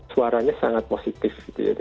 suaranya sangat positif